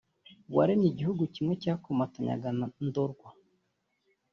waremye igihugu kimwe cyakomatanyaga Ndorwa